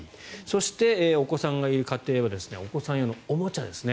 そして、お子さんがいる家庭はお子さん用のおもちゃですね。